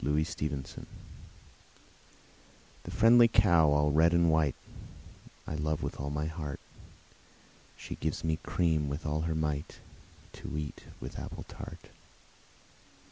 XXIII The Cow The friendly cow all red and white, I love with all my heart: She gives me cream with all her might, To eat with apple tart.